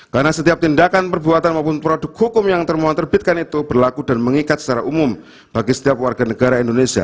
karena setiap tindakan perbuatan maupun produk hukum yang termohon terbitkan itu berlaku dan mengikat secara umum bagi setiap warga negara indonesia